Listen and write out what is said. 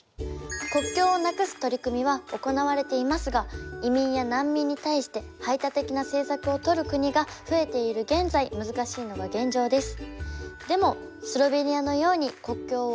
国境をなくす取り組みは行われていますが移民や難民に対して排他的な政策をとる国が増えている現在難しいのが現状です。